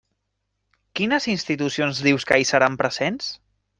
Quines institucions dius que hi seran presents?